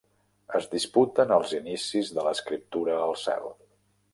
Es disputen els inicis de l'escriptura al cel.